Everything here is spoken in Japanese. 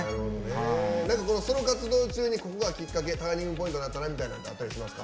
ソロ活動中にここがきっかけターニングポイントになったっていうのあったりしますか？